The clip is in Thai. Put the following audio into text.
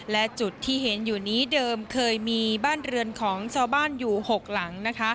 และจุดที่เห็นอยู่นี้เดิมเคยมีบ้านเรือนของชาวบ้านอยู่๖หลัง